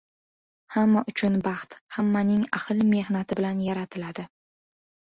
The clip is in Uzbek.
Hamma uchun baxt — hammaning ahil mehnati bilan yaratiladi.